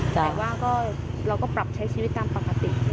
แต่ว่าเราก็ปรับใช้ชีวิตนั้นปกติใช่ไหม